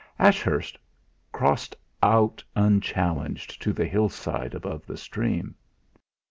Ashurst crossed out unchallenged to the hillside above the stream.